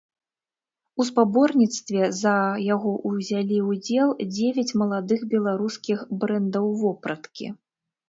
У спаборніцтве за яго ўзялі ўдзел дзевяць маладых беларускіх брэндаў вопраткі.